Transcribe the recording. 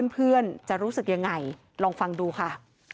เพื่อนจะรู้สึกยังไงลองฟังดูค่ะ